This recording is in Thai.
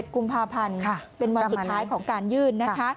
กุมภาพันธ์เป็นวันสุดท้ายของการยื่นนะคะ